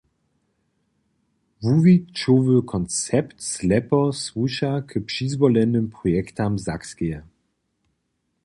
Wuwićowy koncept Slepo słuša k přizwolenym projektam Sakskeje.